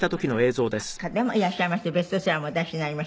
また作家でもいらっしゃいましてベストセラーもお出しになりました。